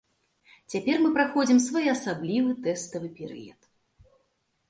Цяпер мы праходзім своеасаблівы тэставы перыяд.